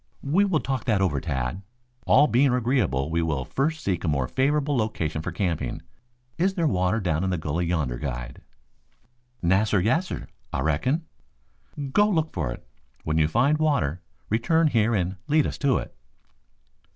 "We will talk that over, Tad. All being agreeable we will first seek a more favorable location for camping. Is there water down in the gully yonder, guide?" "Nassir, yassir. Ah reckon." "Go look for it. When you find water return here and lead us to it."